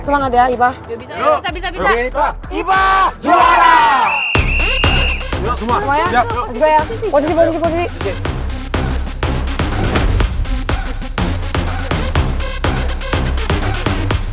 mantul mantap betul